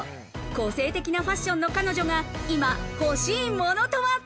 個性的なファッションの彼女が今欲しいものとは？